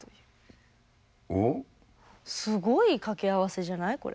すごい掛け合わせじゃない？